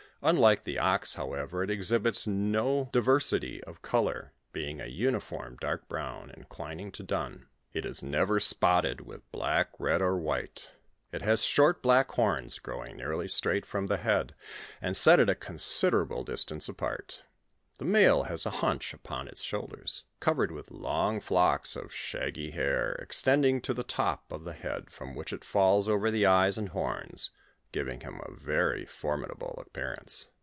Unlike the ox, however, it exhibits no diversity of eolor, being a uniform dark brown, inclining to dun. It is never spotted with black, red, or white. It hns short, black horns, growing nearly straight from the head, and set at a considerable distance apart The male hai a hunch upon ita shoulders covered with long flocks of shaggy hair, extending to the top of the head from which it falls over the eyes and horns, giving him a very formida ble appearance.